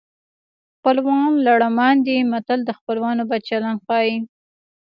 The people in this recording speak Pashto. خپلوان لړمان دي متل د خپلوانو بد چلند ښيي